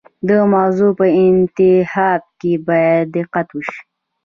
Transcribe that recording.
د موضوع په انتخاب کې باید دقت وشي.